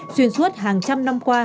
xuyên suốt hàng trăm năm qua